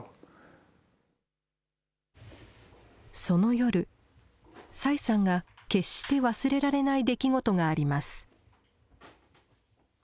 その夜、崔さんが、決して忘れられない出来事があります。